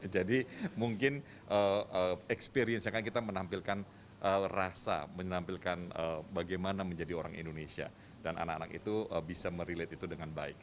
mungkin experience nya kan kita menampilkan rasa menampilkan bagaimana menjadi orang indonesia dan anak anak itu bisa merelate itu dengan baik